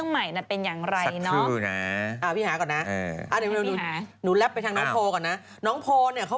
หมายยังไงคุณแม่หมายถึงอะไรเปลี่ยนส่งผมเหรอ